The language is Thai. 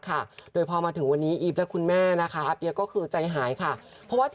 แล้วคำที่ร้องในเพลงมันยากนะ